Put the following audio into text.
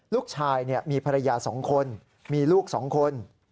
ลูกชายมีภรรยา๒คนมีลูก๒คน